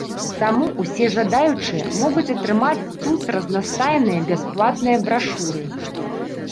Таму ўсе жадаючыя могуць атрымаць тут разнастайныя бясплатныя брашуры.